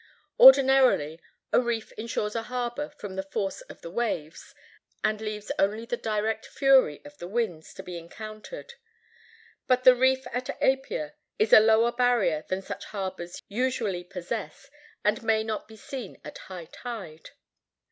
Ordinarily a reef insures a harbor from the force of the waves, and leaves only the direct fury of the winds to be encountered. But the reef at Apia is a lower barrier than such harbors usually possess, and may not be seen at high tide.